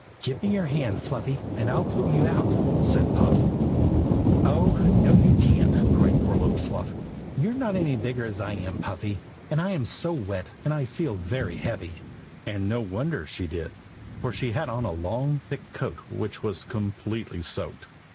"Give me your hand, Fluffy, and I'll pull you out!" said Puff. "Oh! no, you can't!" cried poor little Fluff. "You're not any bigger as I am, Puffy, and I'm so wet I feel very heavy." And no wonder she did, for she had on a long thick coat which was completely soaked.